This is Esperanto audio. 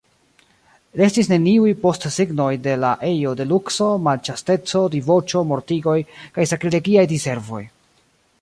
Restis neniuj postsignoj de la ejo de lukso, malĉasteco, diboĉo, mortigoj kaj sakrilegiaj diservoj.